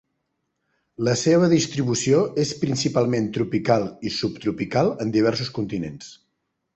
La seva distribució és principalment tropical i subtropical, en diversos continents.